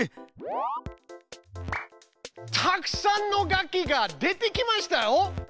たくさんの楽器が出てきましたよ。